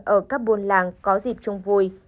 ở các buôn làng có dịp chung vui